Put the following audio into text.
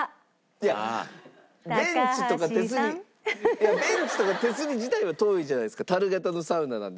いやベンチとか手すり自体は遠いじゃないですか樽型のサウナなんで。